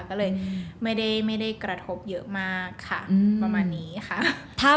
ก็เลยไม่ได้กระทบเยอะมากค่ะประมาณนี้ค่ะ